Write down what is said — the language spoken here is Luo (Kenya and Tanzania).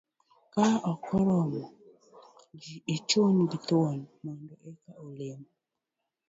ka ok oromo, ji ichuno gi thuon mondo eka olem